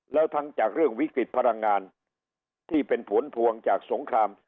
แล้วทั้งจากเรื่องวิกฤตพลังงานที่เป็นผลพวงจากสงคราม